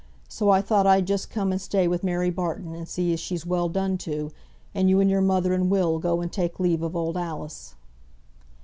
So I thought I'd just come and stay with Mary Barton, and see as she's well done to, and you and your mother and Will go and take leave of old Alice."